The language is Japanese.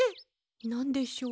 なんでしょう？